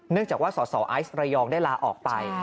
เนื่องจากว่าสอสอไอซ์ระยองได้ลาออกไป